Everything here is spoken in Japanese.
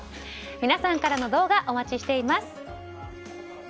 皆さんからの動画お待ちしています。